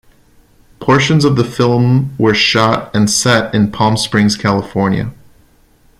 Portions of the film were shot and set in Palm Springs, California.